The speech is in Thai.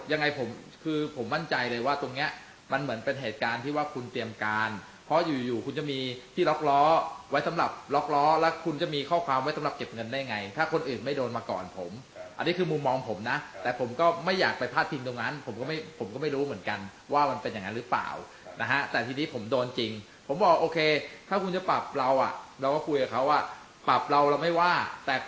ยังไงผมคือผมมั่นใจเลยว่าตรงเนี้ยมันเหมือนเป็นเหตุการณ์ที่ว่าคุณเตรียมการเพราะอยู่คุณจะมีที่ล็อกล้อไว้สำหรับล็อกล้อและคุณจะมีข้อความไว้สำหรับเก็บเงินได้ไงถ้าคนอื่นไม่โดนมาก่อนผมอันนี้คือมุมมองผมนะแต่ผมก็ไม่อยากไปพลาดทิ้งตรงนั้นผมก็ไม่ผมก็ไม่รู้เหมือนกันว่ามันเป็นอย่างนั้นหรือเป